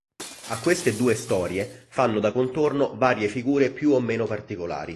A queste due storie fanno da contorno varie figure più o meno particolari.